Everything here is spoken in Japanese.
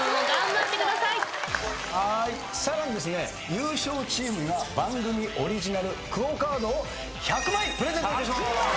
優勝チームには番組オリジナルＱＵＯカードを１００枚プレゼントいたします。